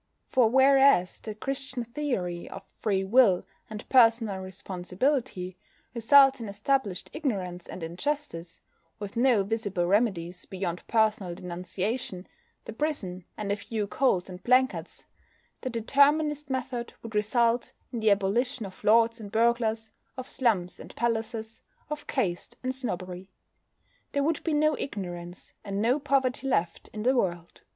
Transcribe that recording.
For whereas the Christian theory of free will and personal responsibility results in established ignorance and injustice, with no visible remedies beyond personal denunciation, the prison, and a few coals and blankets, the Determinist method would result in the abolition of lords and burglars, of slums and palaces, of caste and snobbery. There would be no ignorance and no poverty left in the world.